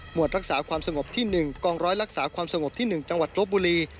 วดรักษาความสงบที่๑กองร้อยรักษาความสงบที่๑จังหวัดลบบุรี